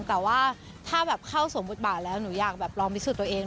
แต่ว่าถ้าแบบเข้าสวมบทบาทแล้วหนูอยากลองพิสูจน์ตัวเอง